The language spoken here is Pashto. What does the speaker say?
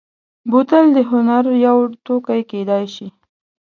بوتل د هنر یو توکی کېدای شي.